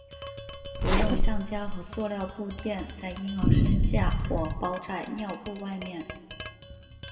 不用橡胶和塑料布垫在婴儿身下或包在尿布外面。